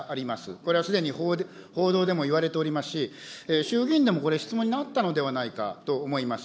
これはすでに報道でもいわれておりますし、衆議院でもこれ、質問になったのではないかと思います。